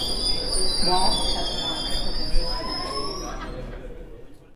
Wolch has won Provincial Tennis Tournament.